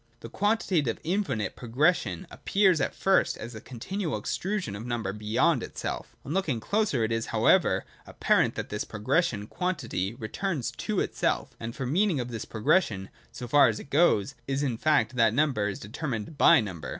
The quantitative infinite progression appears at first as a continual extrusion of number beyond itself. On looking closer, it is, however, apparent that in this progression quantity returns to itself : for the meaning of this progres sion, so far as thought goes, is the fact that number is deter mined by number.